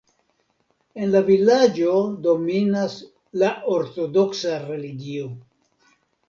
En la vilaĝo dominas la ortodoksa religio.